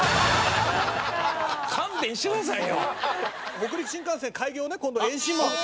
北陸新幹線開業ね今度延伸。